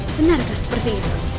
benarkah seperti itu